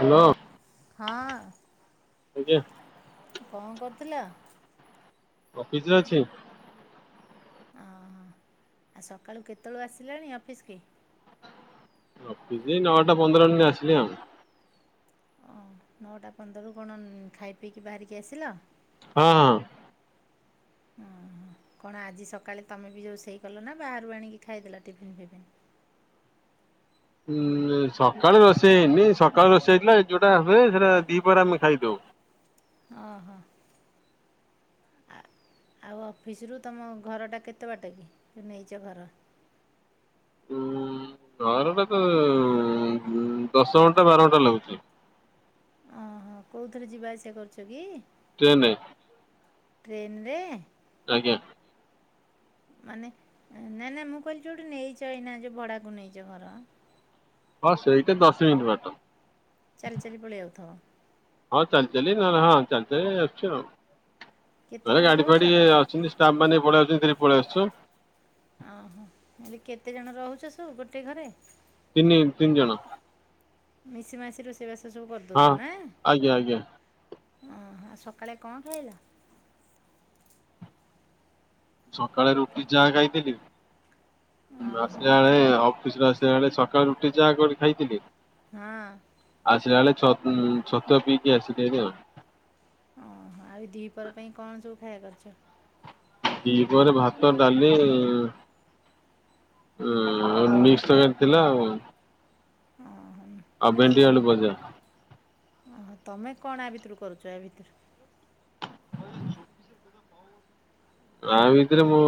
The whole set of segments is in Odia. ହ୍ୟାଲୋ। ହଁ। ଆଜ୍ଞା। କଣ କରୁଥିଲ? ଅଫିସରେ ଅଛି। ଓହୋ। ଆଉ ସକାଳୁ କେତେବେଳୁ ଆସିଲାଣି ଅଫିସ୍ କି? ଅଫିସ୍ ନଅଟା ପନ୍ଦର ମିନିଟ୍ ଆସିଲି ଆଉ। ଓ ନଅଟା ପନ୍ଦରରୁ କଣ ଖାଇ ପିଇକି ବାହାରିକି ଆସିଲ? ହଁ। ଓହୋ। କଣ ଆଜି ସକାଳେ ତମେ ବି ଯୋଉ ରୋଷେଇ କଲନା ବାହାରୁ ଆଣିକି ଖାଇଦେଲା ଟିଫିନ୍ ଫିଫିନ୍। ଉଁ ସକାଳେ ରୋଷେଇ ହେଇନି। ସକାଳେ ରୋଷେଇ ହେଇଥିଲା ଯୋଉଟା ହୁଏ। ସେଇଟା ଦ୍ଵିପହରେ ଆମେ ଖାଇଦଉ। ଓହୋ ହ। ଆ ଆଉ ଅଫିସରୁ ତୁମ ଘରଟା କେତେ ବାଟ କି? ତୁ ନେଇଛ ଘର। ଉ ଘରଟା ତ ଦଶ ଘଣ୍ଟା ବାର ଘଣ୍ଟା ଲାଗୁଛି। ଓହୋ କୋଉଥିରେ ଯିବା ଆସିବା କରୁଛ କି? ଟ୍ରେନେ। ଟ୍ରେନରେ। ଆଜ୍ଞା। [inaudible] ମାନେ ନାଇଁ ନାଇଁ ମୁଁ କହିଲି ଯୋଉଠି ନେଇଛ ଏଇନା ଯଉ ଭଡାକୁ ନେଇଛ ଘର। ହଁ ସେଇଟା ଦଶ ମିନିଟ୍ ବାଟ। ଚାଲି ଚାଲି ପଳେଇ ଆଉଥବ। ହଁ ଚାଲି ଚାଲି ନହେଲେ ହଁ ଚାଲି ଚାଲି ଆସୁଛି ଆଉ। କେତେ ନହଲେ ଜଣ ଗାଡି ଫାଡି ରହୁଚ? ଅ ଛନ୍ତି ଷ୍ଟାପ ମାନେ ପଳେଇ ଆଉଛନ୍ତି ଧରି ପଳେଇ ଆସୁଛୁ। ଓହୋ ହେଲେ କେତେଜଣ ରହୁଛ ସବୁ ଗୋଟେ ଘରେ? ତିନି ତିନି ଜଣ। ମିଶି ମାସି ରୋଷେଇ ବାସ ସବୁ ହଁ। କରିଦଉଛ ନା। ଆଜ୍ଞା ଆଜ୍ଞା ଓ ସକାଳେ କଣ ଖାଇଲ? ସକାଳେ ରୁଟି ଚାହା ଖାଇଥିଲି। ଅହ ହଁ ଆସିଲା ବେଳେ ଅ ଅଫିସରେ ଆସିଲା ସେଳେ ସକାଳୁ ରୁଟି ଚାହା କରି ଖାଇଥିଲି। ହଁ। ଆସିଲା ବେଳେ ଛ ଉଁ ଛତୁଆ ପିଇକି ଆସିଥିଲି ଆଉ। ଓହୋ ଆଉ ଏ ଦିପର ପାଇଁ କଣ ସବୁ ଖାଇବା କରିଛ? ଦ୍ୱିପରେ ଭାତ ଡାଲି। ହଁ ମିକ୍ସ ତରକାରୀ ଥିଲା ଆଉ। ଅହ ଆଉ ଭେଣ୍ଡି ସେଇ ଯଉ ଆଳୁ ଭଜା। ଓହୋ ତମେ କଣ ୟା ଭିତରୁ କରୁଛ ୟା ଭିତରୁ? ୟା ହ୍ୟାଲୋ ଭିତରେ ମୁଁ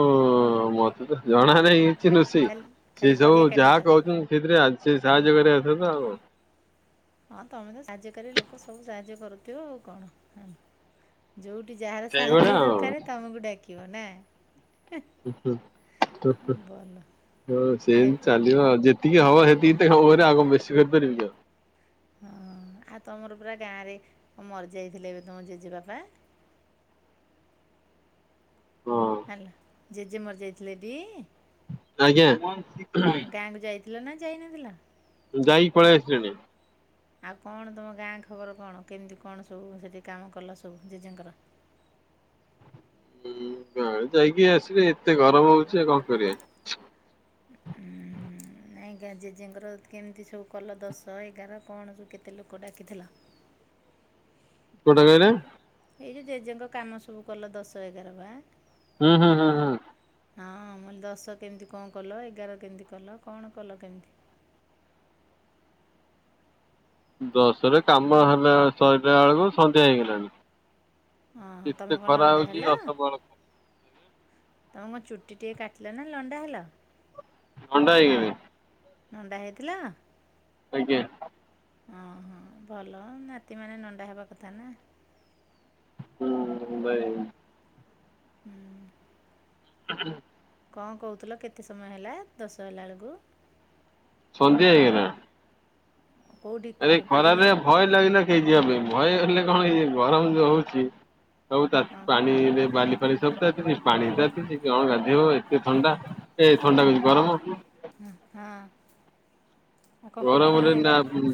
ମତେ ତ ଜଣା ନାହିଁ। ସେ ନୋସେଇ ଖାଲି ଖାଲି ସେ ସବୁ ପରିବା କାଟୁଛ ଯାହା କହୁଛନ୍ତି ସେଇଥିରେ ସେ ସାହାଯ୍ୟ କରିବା ଅ ତ ଆଉ। ହଁ ତମେ ତ ସାହାଯ୍ୟକାରୀ ଲୋକ ସବୁ ସାହାଯ୍ୟ କରୁଥିବ ଆଉ କଣ। ଯଉଠି ଯାହାର ସାହାଯ୍ୟ ସେଇଭଳିଆ ଆଉ। ଦରକାର ତମକୁ ଡାକିବ ନା। ଉଁ ହୁଁ ଉଁ ହୁଁ ଭଲ ହଁ ଆଉ ସେମିତି ଚାଲିବ ଆଉ। ଯେ ଏତିକି ହବ ସେତିକିରେ ଆଗ ମୁଁ ବେଶୀ କରିପାରିବି ଆଉ। ହଁ ଆଉ ତୁମର ପୁରା ଗାଁରେ ମରି ଯାଇଥିଲେ ଏବେ ତୁମ ଜେଜେବାପା। ହଁ ହ୍ୟାଲୋ ଜେଜେ ମର ଯାଇଥିଲେ ଟି। ଆଜ୍ଞା। ଥିଲ ନା ଯାଇନଥିଲ। ଯାଇକି ପଳେଇ ଆସିଲିଣି। [inaudible] ଆଉ କଣ ତୁମ ଗାଁ ଖବର କଣ? କେମିତି କଣ ସବୁ ସେଠି କାମ କଲ ସବୁ ଜେଜେଙ୍କର? ହୁଁ ଯାଇକି ଆସିବେ। ଏତେ ଗରମ ହଉଛି ଆଉ କଣ କରିବା। ହୁଁ ହୁଁ। ନାଇଁ ଜ୍ଞା ଜେଜେଙ୍କର କେମିତି ସବୁ କଲ ଦଶ ଏଗାର କଣ ସବୁ କେତେ ଲୋକ ଡାକିଥିଲ। କୋଟା କହିଲେ? ଏଇ ଯୋଉ ଜେଜେଙ୍କ କାମ ସବୁ କଲ ଦଶ ଏଗାର ବା। ଉଁ ହୁଁ ହୁଁ ହୁଁ। ହଁ ମୁଁ କହିଲି ଦଶ କେମିତି କଣ କଲ? ଏଗାର କେମିତି କଲ? କଣ କଲ କେମତି? ଦଶରେ କାମ ହେଲା ସଇଲା ବେଳକୁ ସନ୍ଧ୍ୟା ହେଇଗଲାଣି। ହଁ ହ ଏତେ ତମେ କଣ ଖରା ନଣ୍ଡା ହଉଛି ହେଲ? ଅସବଳ ତମ କଣ ଚୁଟି ଟିକେ କାଟିଲ ନା ଲଣ୍ଡା ହେଲ? ଅଣ୍ଡା ହେଇଗଲି। ନଣ୍ଡା ହେଇଥିଲ? ଆଜ୍ଞା। ଅଁ ହଁ ଭଲ ନାତି ମାନେ ନଣ୍ଡା ହେବା କଥା ନା। ଉଁ ହୁଁ ଭାଇ ହୁଁ। ହୁଁ କଁ କହୁଥିଲ କେତେ ସମୟ ହେଲା ଦଶ ହେଲା ବେଳୁକୁ? ସନ୍ଧ୍ୟା ହେଇଗଲା। କେଉଁଠି ଆଉ ଏ ପୋଖରୀକି ଖରାରେ ଯେ ଭୟ ଲାଗିଲା। କିଏ ଯିବା ପାଇଁ ଭୟ ହେଲେ କଣ ଏଇ ଗରମ ଯୋଉ ହଉଛି ସବୁ ତାତ୍ ହଁ ପାଣିରେ ବାଲି ଫାଲି ସବୁ ତ ଏତିନି ପାଣି ତାତିଚି କଣ ଗାଧେଇବ? ଏତେ ଥଣ୍ଡା ଏ ଥଣ୍ଡା କହୁଚି ଗରମ। ହୁଁ ହଁ। ଆଉ କ'ଣ ଗରମ ପୋଖରୀ ରେ ଜାଗା ନା ଉମ୍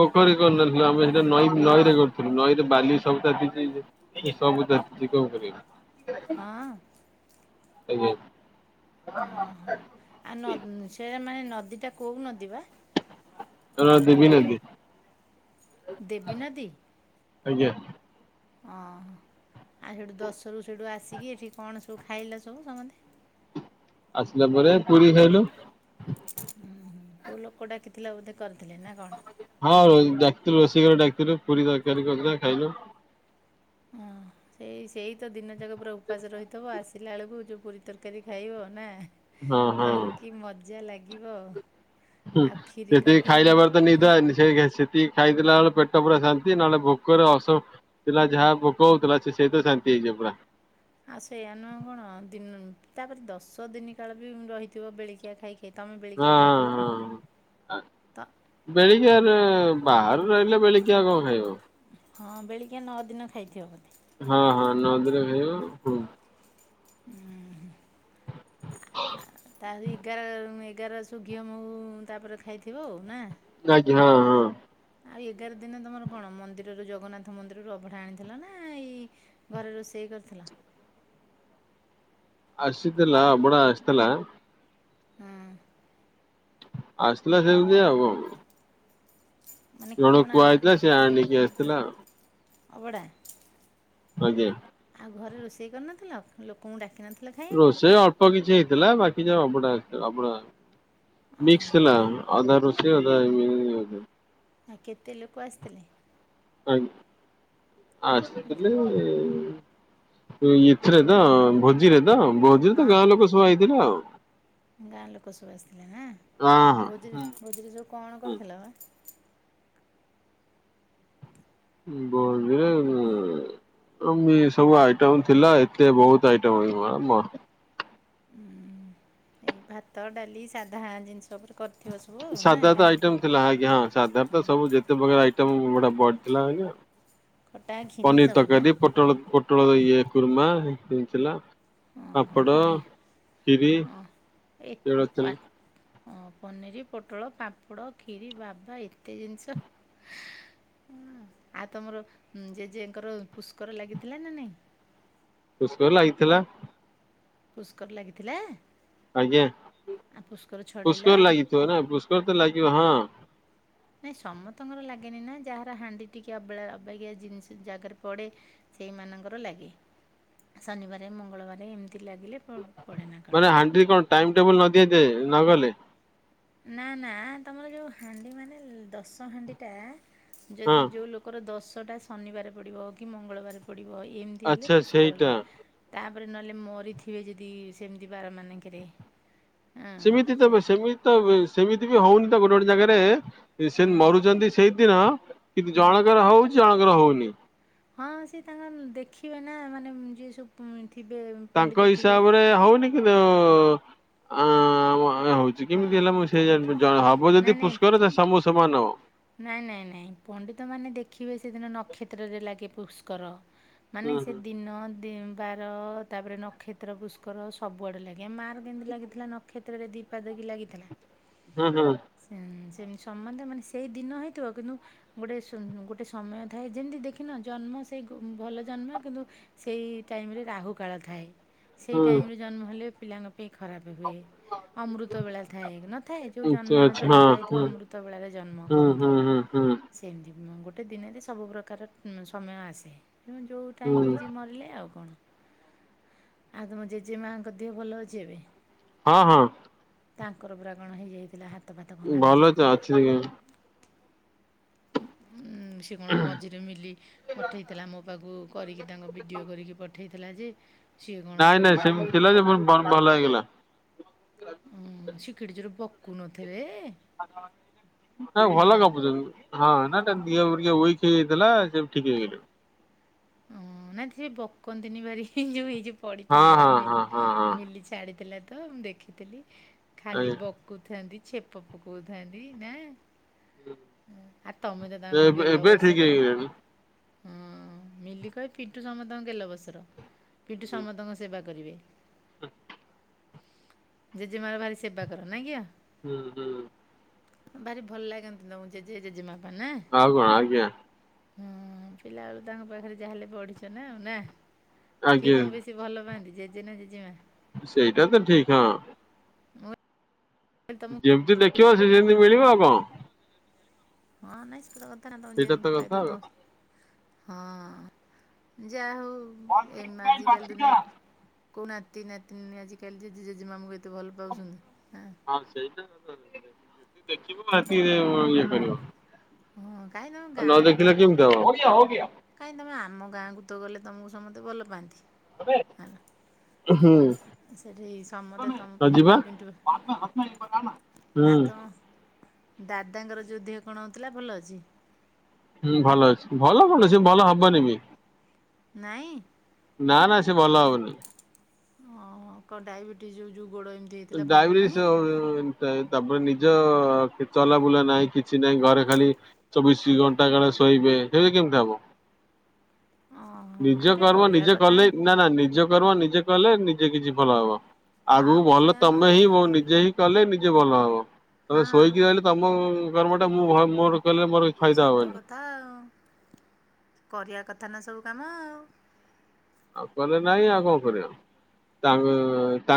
ପୋଖରୀ କରନଥିଲୁ ଆମେ ସେଇଟା ନଈ ନଈରେ କରୁଥିଲୁ। ନଈରେ ବାଲି ସବୁ ତାତିଚି। ଏ ସବୁ ତାତିଚି କଣ କରିବା? ହଁ କେମିତି ହବ? ଆ ନଦ୍ ସେଆମାନେ ନଦୀଟା କୋଉ ନଦୀ ବା? ସେଇଟା ଦେବୀ ନଦୀ। ଦେବୀ ନଦୀ? ଆଜ୍ଞା। ଅ ହ ଆଉ ସେଇଠୁ ଦଶରୁ ସେଇଠୁ ଆସିକି ଏଠି କଣ ସବୁ ଖାଇଲ ସବୁ ସମନ୍ତେ? ଆସିଲା ପରେ ପୁରୀ ଖାଇଲୁ। ଉଁ ହୁଁ କୋଉ ଲୋକ ଡାକିଥିଲା ବୋଧେ କରିଥିଲେ ନା କଣ? ହଁ ଡାକଥିଲୁ ରୋଷେଇ କରିଆକୁ ଡାକଥିଲୁ ପୁରୀ ତରକାରୀ କରିଥିଲା ଖାଇଲୁ। ହଁ ସେଇ ସେଇ ତ ଦିନ ଯାକ ପୁରା ଉପାସ ରହିଥିବ ଆସିଲା ବେଳୁକୁ ଯୋଉ ପୁରୀ ତରକାରୀ ଖାଇବ ନା। ହଁ ହଁ ତାର କି ମଜା ଲାଗିବ? ହୁଁ ଆଉ କ୍ଷୀରି ସେତିକି କରିଥିଲେ ଖାଇଲା ପରେ ତ ନିଦ ହେଁ ଆଇନି। ସେଇଗିଆ ସେତିକି ଖାଇଦେଲା ବଳୁକୁ ପେଟ ପୁରା ଶାନ୍ତି ନହେଲେ ଭୋକରେ ଅସ ପିଲା ଯାହା ଭୋକହେଉଥିଲା ସେ ସେଇଥିରେ ଶାନ୍ତି ହେଇଯିବ ପୁରା। ଆଉ ସେଇୟା ନୁହଁ ଆଉ କଣ ଦିନ ତାପରେ ଦଶ ଦିନି କାଳ ବି ରହିଥିବ ବେଳିକିଆ ଖାଇକି। ବେଳିକିଆ ଖାଉଥିଲ କଣ? ତ ବେଳିକିଆ ରେ ବାହାରୁ ରହିଲେ ବେଳିକିଆ କଣ ଖାଇବ? ହଁ ବେଳିକିଆ ନଅ ଦିନ ଖାଇଥିବ ବୋଧେ। ହଁ ହଁ ନଅ ଦିନ ଖାଇବ ପୁଣ୍ ହୁଁ। ହଁ ତାହଲେ ଏଗାର୍ ମୁଁ ଏଗାରସୁ ଘିଅ ମହୁ ତାପରେ ଖାଇଥିବ ଆଉ ନା? ଲାଇକି ହଁ ହଁ। ଆଉ ଏଗାର ଦିନ ତମର କଣ ମନ୍ଦିରରୁ ଜଗନ୍ନାଥ ମନ୍ଦିରରୁ ଅଭଡା ଆଣିଥିଲ ନା ଏଇ ଘରେ ରୋଷେଇ କରିଥିଲ? ଆସିଥିଲା ଅବଢ଼ା ଆସିଥିଲା। ହୁଁ। ଆସିଥିଲା ସେମତି ଆଉ କଣ? ମାନେ ଜଣ କଣ କୁହାଯଇଥିଲା ସେ ଆଣିକି ଆସିଥିଲା। ଅଭଡା। ଆଜ୍ଞା। ଆଉ ଘରେ ରୋଷେଇ କରିନଥିଲ ଲୋକଙ୍କୁ ଡାକିିନଥିଲ ଖାଇବାକୁ। ରୋଷେଇ ଅଳ୍ପ କିଛି ହେଇଥିଲା ବାକି ଯା ଅଭଡା ଆସିଥିଲା ଅଭଡ଼ା ମିକ୍ସ ଓହୋ ଥିଲା। କେ ଅଧା ରୁଷେଇ ଅଧା ଏ। ଆ କେତେ ଲୋକ ଆସିଥିଲେ? ଆ ଆସିଥିଲେ! ଏଥିରେ ତ ଭୋଜିରେ ତ ଭୋଜିରେ ତ ହଁ ଗାଁ ଲୋକ ସବୁ ଆଇଥିଲେ ଆଉ। ଗାଁ ଲୋକ ସବୁ ଆସିଥିଲେ ନା ହଁ ହଁ ଭୋଜି ଭୋଜିରୀ ସବୁ କଣ ହୁଁ। କରିଥିଲା ବା? ଭୋଜିରେ ଏମ ସବୁ ଆଇଟମ ଥିଲା ଏତେ ବହୁତ ଆଇଟମ ଏଇ ଭାତ ଡାଲି ସାଧା ଜିନିଷ ଉପରେ କରିଥିବ ସବୁ ଆଉ ନା ସାଧା ତ କାନେ ଆଇଟମ ଥିଲା ଆଜ୍ଞା ହଁ ସାଧାର ତ ସବୁ ଯେ ଏତେ ପ୍ରକାର ଆଇଟମ୍ ଗଟେ ବଢଥିଲା ଆଜ୍ଞା ଖଟା ଖିରି ପନିର ସବୁ ନା ତରକାରୀ ପୋଟଳ ଇଏ ଖୁରୁମା ହେଇଥିଲା। ଓହୋ ପାପଡ଼ ପନିର କ୍ଷୀରିଏ ହଁ ଚନା ହଁ ପନିର ଫୋଟଳ ପାମ୍ପଡ଼ କ୍ଷୀରି ବାଭା ଏତେ ଜିନିଷ! ହ ଆଉ ତମର ଜେଜେଙ୍କର ପୁଷ୍କର ଲାଗିଥିଲା ନା ନାଇଁ? ପୁଷ୍କର ଲାଗିଥିଲା। ପୁଷ୍କର ଲାଗିଥିଲା। ଆଜ୍ଞା ଆଉ ଛଡ଼େଇଲ? ପୁଷ୍କର ଲାଗିଥିବ ନା ପୁଷ୍କର ତ ଲାଗିବ ହଁ। ନାଇଁ ସମସ୍ତଙ୍କର ଲାଗେନି ନା ଯାହାର ହାଣ୍ଡି ଟିକେ ଅବେଳା ଅବେଗଆ ଜିନିଷ ଜାଗାରେ ପଡ଼େ ସେଇମାନାନଙ୍କର ଲାଗେ ଶନିବାର ମଙ୍ଗଳବାର ଏମିତି ଲାଗିଲେ ପଡ଼େ ନା କଣ। ମାନେ ହାଣ୍ଡି କଣ ଟାଇମ ଟେବୁଲ ନ ଦିଆ ନ ଗଲେ। ନା ନା ତମର ଯୋଉ ହାଣ୍ଡି ମାନେ ଦଶ ହାଣ୍ଡି ଟା ହଁ ଯଦି ଯୋଉ ଲୋ ଙ୍କର ଦଶଟା ଶନିବାର ପଡ଼ିବ କି ମଙ୍ଗଳବାର ପଡ଼ିବ ଏମିତି ହେଲେ ଆଚ୍ଛା ସେଇଟା। ପୁଷ୍କରଲା ତାପରେ ନହେଲେ ମୋରିଥିବେ ଯଦି ସେମିତି ବାର ମାନଙ୍କରେ। ହଁ ସେମିତି ତ ସେ ସେମିତି ତ ସେମିତି ବି ହଉନି ତ ଗୋଟେ ଗୋଟେ ଜାଗାରେ ସେ ହଁ ମରୁଛନ୍ତି ସେଇଦିନ କିନ୍ତୁ ହଁ ଜଣଙ୍କର ହଉଛି ଜଣଙ୍କର ହଉନି। ହଁ ସିଏ ତାଙ୍କର ଦେଖିବେ ନା ମାନେ ଯିଏ ସବୁ ଥିବେ ତାଙ୍କ ପଣ୍ଡିତ ଥିବେ। ହିସାବରେ ହଉନି କିନ୍ତୁ ହଉଛି ହଁ କେମତି ହେଲା ମୁ ସେ ଜ ହବ ଯଦି ନାଇଁ ନାଇଁ ପ ପୁଷ୍କର ସମୁ ସମାନ ହବ। ନାଇଁ ନାଇଁ ନାଇଁ ପଣ୍ଡିତ ମାନେ ଦେଖିବେ ସେଦିନ ନକ୍ଷତ୍ରରେ ଲାଗେ ପୁଷ୍କର ମାନେ ହୁଁ ସେ ଦିନ ବାର ତାପରେ ନକ୍ଷତ୍ର ପୁଷ୍କର ସବୁଆଡ଼େ ଲାଗା ମାର୍ କେମତି ଲାଗିଥିଲା ନକ୍ଷତ୍ରରେ ଦୀପା ଦେକି ଲାଗିଥିଲା। ହୁଁ ହୁଁ। ସେମତି ସ ମାନେ ସେଇ ଦିନ ହେଇଥିବ କିନ୍ତୁ ଗୋଟେ ଗୋଟେ ସମୟ ଥାଏ ଯେମିତି ଦେଖିନ ଜନ୍ମ ସେଇ ଭଲ ଜନ୍ମ କିନ୍ତୁ ସେଇ ଟାଇମରେ ରାହୁ କାଳ ଥାଏ ସେଇ ହୁଁ ଟାଇମରେ ଜନ୍ମ ହେଲେ ପିଲାଙ୍କ ଖରାପ ହୁଏ। ଅମୃତ ବେଳା ଥାଏ ନଥାଏ ଯୋଉ ହୁଁ ଆଛା ଜନ୍ମ ଆମେ ତ ଆଛା ଲେଖା ହଁ ହେଇଥିବ ହୁଁ। ଅମୃତ ବେଳାରେ ଜନ୍ମ। ହୁଁ କହନ୍ତି। ହୁଁ ହୁଁ ହୁଁ ସେମିତି ଗୋଟେ ଦିନରେ ସବୁ ପ୍ରକାର ସମୟ ଆସେ ତେଣୁ ଯୋଉ ଟାଇମରେ ହୁଁ ଯ ମରିଲେ ଆଉ କଣ ଆଉ ତମ ଜେଜେ ମାଙ୍କ ଦେହ ଭଲ ଅଛି ଏବେ? ହଁ ହଁ। ତାଙ୍କର ପରା କଣ ହେଇଯାଇଥିଲା ହାତ ଭାତକ ଭାଙ୍ଗି ଯାଇଥିଲା? ଆଜ୍ଞା। ସେ କଣ ମଝିରେ ମିଲି ପଠେଇଥିଲା ମୋ ପାଖକୁ। କରିକି ତାଙ୍କ ଭିଡ଼ିଓ କରିକି ପଠାଇଥିଲା ଯେ ସିଏ କ'ଣ ନାଇଁ ଏଡ଼େ ନାଇଁ ଜୋର ସେମିତି ଥିଲା ଯେ ଭଲ ହେଇଗଲା। ଉଁ ଶିକିଡି ଯୋର ବକୁ ନଥିଲେ। ଭଲ ଗପୁଛନ୍ତି। ହଁ ନା ଦେହ ଟିକେ ୱେକ ହେଇଯାଇଥିଲା ସେ ଠିକ ହେଇଗଲେ। ଓ ନାଇ ସେ ବକନ୍ତିନି ବାର ଯୋଉ ହେଇଉ ହଁ ପଡିଥିଲେ ବା ହଁ ହଁ ହଁ ହଁ ମିଲି ଛାଡ଼ିଥିଲା ତ ମୁଁ ଦେଖିଥିଲି ଖାଲି ଆଜ୍ଞା କହୁଥାନ୍ତି ଛେପ କହୁଥାନ୍ତି ନା। ଆଉ ତମେ ତ ତାଙ୍କୁ ଏବେ ଗେଲ ଏବେ ଠିକ ବସର ହେଇଗଲେଣି। ହଁ ମିଲି କହ ପିଣ୍ଟୁ ସମସ୍ତଙ୍କ ଗଲ ବସର ପିଣ୍ଟୁ ସମସ୍ତଙ୍କ ସେବା କରିବେ ଜେଜେମାର ଭାରି ସେବା କର ନା ଆଜ୍ଞ ହୁଁ ହୁଁ। ଭାରି ଭଲ ଲାଗନ୍ତି ତମକୁ ଜେଜେ ଜେଜେମାପା ନା। ଆଗଣ ଆଜ୍ଞା। ହୁଁ ପିଲା ବେଳୁ ତାଙ୍କ ପାଖରେ ଯାହା ହେେଲେ ପଢିଛ ନା ଆଉ ନା କିଏ ଆଜ୍ଞା। ତମେ ବେଶ କି ଭଲ ପାଆନ୍ତି ଜେଜେ ନା ଜେଜେମା। ସେଇଟା ତ ଠିକ ହଁ। ମୁଁ କହିଲି ତମକୁ ଯେମିତି ଦେଖିବ ସେ ସେମିତି ମିଳିବ ଆଉ କଣ। ହଁ ନାଇଁ ପୁରା କଥା ନା ତ ସେଇଟା ଜନ ଫକାଇ କଥା ଦେ ଆଉ ତ ହଁ ଯା ହଉ ଏ ଆଜିକାଲି ଦିନେ କଉ ନାତି ନାତି ନୀ ଆଜିକାଲି ଜେଜେ ଜେଜେମାାମୁକୁ ଏତେ ଭଲ ପାଉଛନ୍ତି। ଆଁ। ହଁ ସେଇଟା ଦେଖିବ ରାତିରେ ଇଏ କରିବ। ହଁ କାହିଁ ତମ ନ ଦେଖିଲେ କେମିତି ହବ। କାହିଁକି ତମେ ଆମ ଗାଁକୁ ତ ଗଲେ ତୁମକୁ ସମସ୍ତେ ଭଲ ପାଆନ୍ତି। ହେଲା [unintelligible] ସେଠି ସମସ୍ତେ ତମ ପିଣ୍ଟୁ ହୁଁିବା ଭାଇ ପିଣ୍ଟୁ ଭାଇ [unintelligible] ଆଉ ତମ ଦାଦାଙ୍କର ଯେଉ ଦେିହ କଣ ହେଉଥିଲା ଭଲ ଅଛି। ହୁଁ ଭଲ ଅଛି ଭଲ କଣ ସେ ଭଲ ହବନି ବି। ନହିଁ। ନା ନା ସେ ଭଲ ହଉନି। ହଁ କଣ ଡାଇବେଟିସ୍୍ଉ ଯେଉଁ ଗୋଡ଼ ଏମିତି ହେଇଥିଲା ଭଲ ନାହିଁ? ଡାଇବେଟିସ୍ ତାପରେ ନିଜ ଚଲାବୁଲା ନାହିଁ କିଛି ନାହିଁ ଘରେ ଖାଲି ଚବିଶି ଘଣ୍ଟା କାଳେ ଶୋଇବେ ଏବେ କେମିତି ହବ। ଓହୋ ଆଉ ନିଜ ଟିକେ କର୍ମ କରିବା ନିଜେ କଥା କଲେ ନା ନା ନିଜ କର୍ମ ନିଜେ କଲେ ନିଜେ କିଛି ଭଲ ହବ। ଆଉ ଆଗକୁ ଭଲ ସେୟା ନୁହଁ ତମେ ହିଁ ମୋ ନିଜେ ହିଁ କଲେ ନିଜେ ଭଲ ହବ ତ ହଁ ଶୋଇକି ରହିଲେ ତମ କର୍ମଟା ମୁଁ ମୋର କଲେ ମୋର ଫାଇଦା ସତ ହବନି। କଥା ଆଉ କରିବା କଥା ନା ସବୁ କାମ ଆଉ। ନ କଲେ ନାଇଁ ଆଉ କଣ କରିବା ତାଙ୍କ ତା